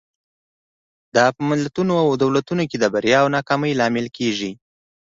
دا په ملتونو او دولتونو کې د بریا او ناکامۍ لامل کېږي.